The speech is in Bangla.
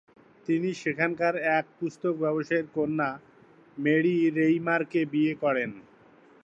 তিনি সেখানকার এক পুস্তক ব্যবসায়ীর কন্যা মেরী রেইমারকে বিয়ে করেন।